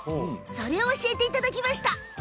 それを教えていただきました。